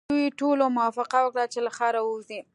دوی ټولو موافقه وکړه چې له ښاره وځي.